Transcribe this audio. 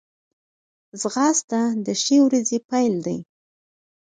ځغاسته د ښې ورځې پیل دی